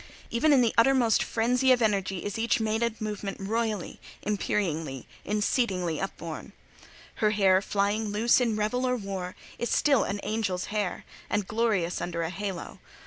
Even in the uttermost frenzy of energy is each maenad movement royally, imperially, incedingly upborne. Her hair, flying loose in revel or war, is still an angel's hair, and glorious under a halo.